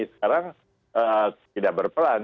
sekarang tidak berperan